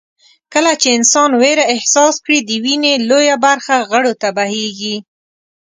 کله چې انسان وېره احساس کړي د وينې لويه برخه غړو ته بهېږي.